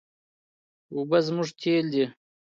اوبه زموږ تېل دي.